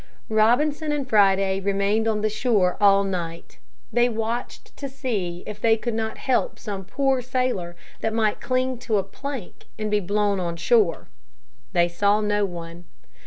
Robinson and Friday remained on the shore all night. They watched to see if they could not help some poor sailor that might cling to a plank and be blown on shore. They saw no one.